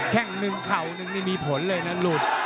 แค่งหนึ่งเข่านึงนี่มีผลเลยนะหลุด